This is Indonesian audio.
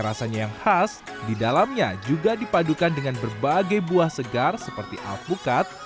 rasanya yang khas di dalamnya juga dipadukan dengan berbagai buah segar seperti alpukat